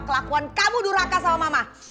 kelakuan kamu duraka sama mama